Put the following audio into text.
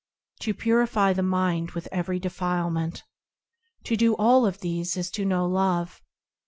To purify the mind of every defilement,– To do all these is to know Love.